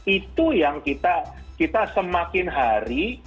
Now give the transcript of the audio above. itu yang kita semakin hari